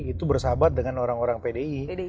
itu bersahabat dengan orang orang pdi